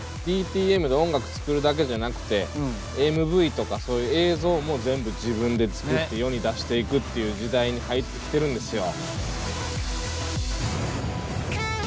ＤＴＭで音楽作るだけじゃなくてＭＶとかそういう映像も全部自分で作って世に出していくっていう時代に入ってきてるんですよ。